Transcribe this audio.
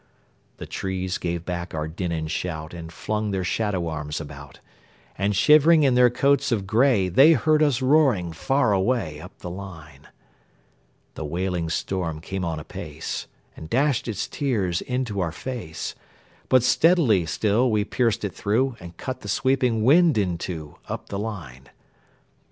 The trees gave back our din and shout, And flung their shadow arms about; And shivering in their coats of gray, They heard us roaring far away, Up the line. The wailing storm came on apace, And dashed its tears into our fade; But steadily still we pierced it through, And cut the sweeping wind in two, Up the line.